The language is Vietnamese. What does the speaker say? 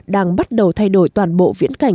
đang bắt đầu thay đổi toàn bộ viễn cảnh